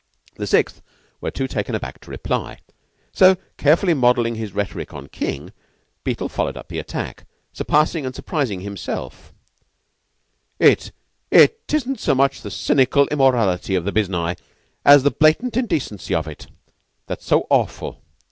The Sixth were too taken aback to reply. So, carefully modelling his rhetoric on King, Beetle followed up the attack, surpassing and surprising himself, "It it isn't so much the cynical immorality of the biznai, as the blatant indecency of it, that's so awful.